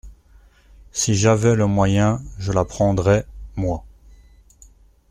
Si j’avais le moyen, je la prendrais, moi !